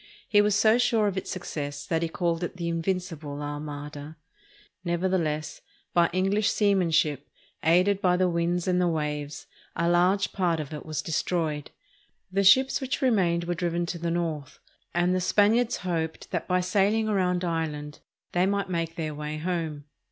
He was so sure of its success that he called it the "Invincible Armada." Never theless, by English seamanship, aided by the winds and the waves, a large part of it was destroyed. The ships which remained were driven to the north, and the Spaniards hoped that by sailing around Ireland they might make their way home.